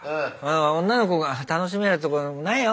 女の子が楽しめるとこないよ？」。